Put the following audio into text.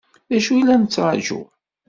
D acu i la nettṛaǧu?